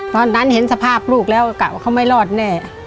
ตอนนั้นเห็นสภาพลูกแล้วกะว่าเขาไม่รอดแน่